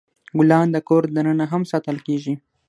ګلان د کور دننه هم ساتل کیږي.